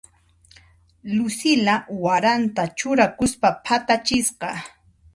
Lucila waranta churakuspa phatachisqa.